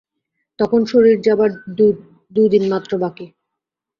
তখন শরীর যাবার দু-দিন মাত্র বাকী।